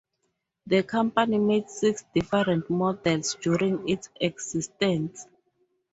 The company made six different models during its existence.